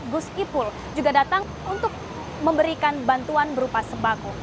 gus ipul juga datang untuk memberikan bantuan berupa sembako